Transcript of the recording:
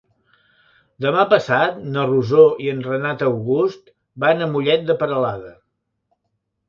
Demà passat na Rosó i en Renat August van a Mollet de Peralada.